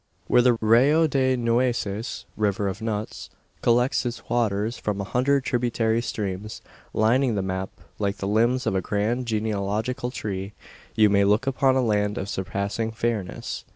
Where the Rio de Nueces (River of Nuts) collects its waters from a hundred tributary streams lining the map like the limbs of a grand genealogical tree you may look upon a land of surpassing fairness.